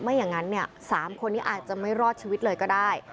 อย่างนั้น๓คนนี้อาจจะไม่รอดชีวิตเลยก็ได้